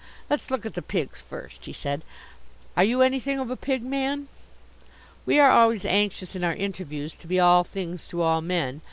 "Let's look at the pigs first," he said. "Are you anything of a pig man?" We are always anxious in our interviews to be all things to all men.